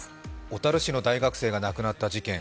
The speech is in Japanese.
小樽市の大学生が亡くなった事件。